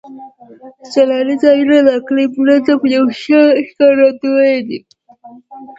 سیلاني ځایونه د اقلیمي نظام یو ښه ښکارندوی دی.